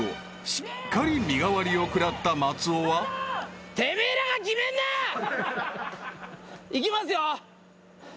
［しっかり身代わりを食らった松尾は］いきますよ。